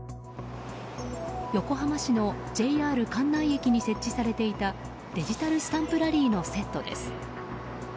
横浜市のＪＲ関内駅に設置されていたデジタルスタンプラリーのセットです。